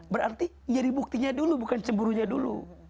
berarti nyari buktinya dulu bukan cemburunya dulu